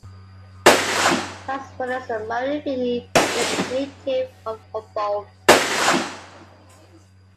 Saxphonist Maury Finney is a native of Humboldt.